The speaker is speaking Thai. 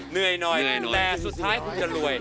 เหนื่อยหน่อยแต่สุดท้ายคุณจะรวย